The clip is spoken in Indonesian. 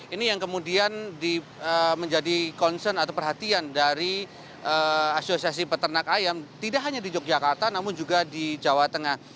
ini yang kemudian menjadi concern atau perhatian dari asosiasi peternak ayam tidak hanya di yogyakarta namun juga di jawa tengah